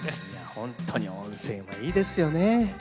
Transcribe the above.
ホントに温泉はいいですよね。